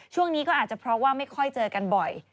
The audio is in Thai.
ช่วงนี้ก็อาจจะเพราะว่าไม่ค่อยเจอกันบ่อย